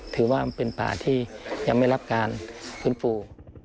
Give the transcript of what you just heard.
ถือว่าเป็นป่าที่ยังไม่รับการฟื้นฟู